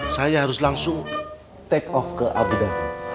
saya harus langsung take off ke abu dhabi